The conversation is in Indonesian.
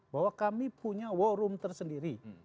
bahwa kami punya war room tersendiri